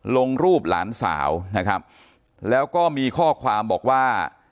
ลงรูปหลานสาวนะครับแล้วก็มีข้อความบอกว่า